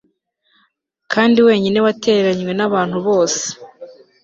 Kandi wenyine watereranywe nabantu bose